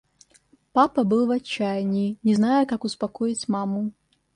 Папа был в отчаянии, не зная, как успокоить маму.